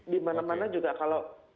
di mana mana juga kalau